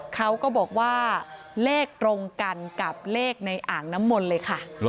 เขาก็บอกว่าเลขตรงกันกับเลขในอ่างน้ำมนต์เลยค่ะ